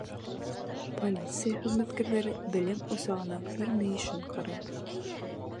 Полиция хеҙмәткәрҙәре белем усағының һәр мөйөшөн ҡарай.